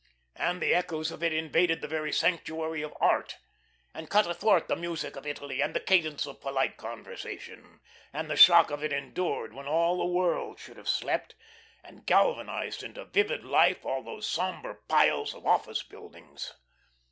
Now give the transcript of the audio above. And the echoes of it invaded the very sanctuary of art, and cut athwart the music of Italy and the cadence of polite conversation, and the shock of it endured when all the world should have slept, and galvanised into vivid life all these sombre piles of office buildings.